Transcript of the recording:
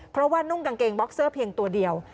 เพราะว่านุ่งกางเกงบ็อกเซอร์เพียงตัวเดียว